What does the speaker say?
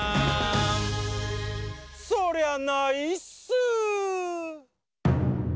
そりゃないっすー！